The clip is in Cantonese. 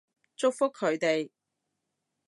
祝福佢哋